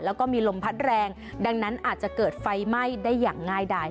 แล้วก็มีลมพัดแรงดังนั้นอาจจะเกิดไฟไหม้ได้อย่างง่ายได้